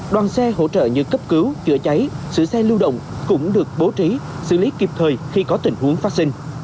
đoàn xe hỗ trợ như cấp cứu chữa cháy sửa xe lưu động cũng được bố trí xử lý kịp thời khi có tình huống phát sinh